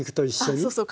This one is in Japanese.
あそうそう。